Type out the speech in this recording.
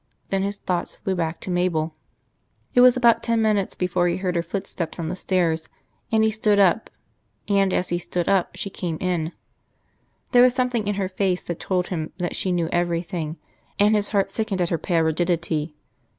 Then his thoughts flew back to Mabel.... It was about ten minutes before he heard her footstep on the stairs, and as he stood up she came in. There was something in her face that told him that she knew everything, and his heart sickened at her pale rigidity.